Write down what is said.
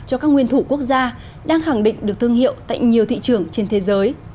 cho các nguyên thủ quốc gia đang khẳng định được thương hiệu tại nhiều thị trường trên thế giới